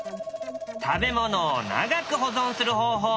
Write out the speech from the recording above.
食べ物を長く保存する方法